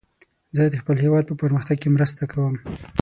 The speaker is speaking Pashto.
زه د خپل هیواد په پرمختګ کې مرسته کوم.